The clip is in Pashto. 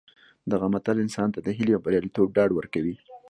دغه متل انسان ته د هیلې او بریالیتوب ډاډ ورکوي